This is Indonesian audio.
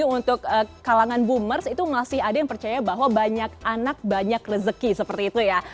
untuk kalangan boomers itu masih ada yang percaya bahwa banyak anak banyak rezeki seperti itu ya